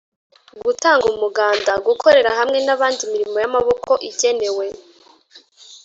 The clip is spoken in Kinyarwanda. gutanga umuganda: gukorera hamwe n’abandi imirimo y’amaboko igenewe